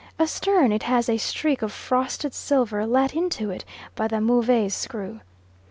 Astern, it has a streak of frosted silver let into it by the Move's screw.